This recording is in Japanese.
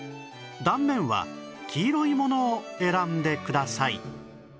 断面は黄色いものを選んでください